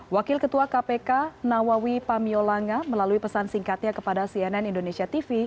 wakil ketua kpk nawawi pamiolanga melalui pesan singkatnya kepada cnn indonesia tv